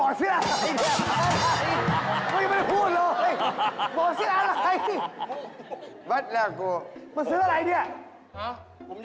โอนี่บอซิลาอะไรเนี่ย